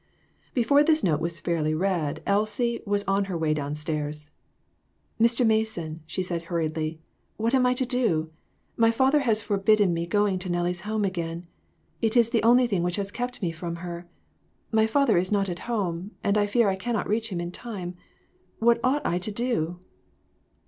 Before this note was fairly read, Elsie was on her way down stairs. "Mr. Mason," she said, hurriedly, "what am I to do? My father has forbidden my going to Nellie's home again ; it is the only thing which has kept me from her. My father is not at home, and I fear I cannot reach him in time. What ought I to do?"